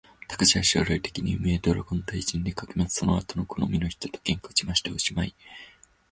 たかしは将来的に、海へドラゴン退治にでかけます。その後好みの人と喧嘩しました。おしまい